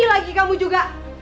ini lagi kamu juga